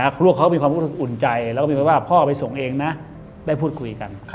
ครูเขาก็มีความรู้สึกอุ่นใจแล้วก็มีความรู้สึกว่าพ่อไปส่งเองนะได้พูดคุยกัน